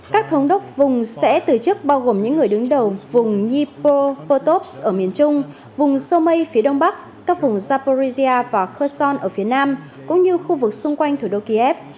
các thống đốc vùng sẽ từ chức bao gồm những người đứng đầu vùng dnipropetrovsk ở miền trung vùng somay phía đông bắc các vùng zaporizhia và kherson ở phía nam cũng như khu vực xung quanh thủ đô kiev